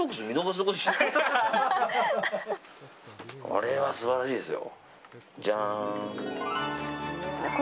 これは素晴らしいですよ。